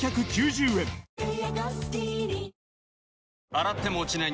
洗っても落ちない